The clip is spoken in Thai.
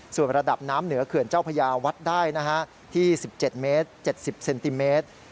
ส่วนระดับน้ำเหนือเขื่อนเจ้าพญาวัดได้ที่๑๗เมตร๗๐เซนติเมตร